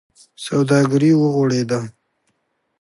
سوداګري و غوړېده.